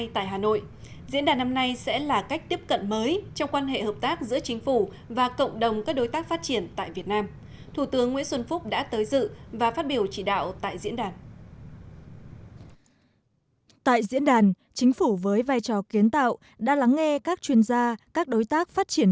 tại diễn đàn chính phủ với vai trò kiến tạo đã lắng nghe các chuyên gia các đối tác phát triển